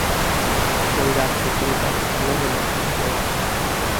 সেই রাজপুত্র যাবে ভালহোল-এ।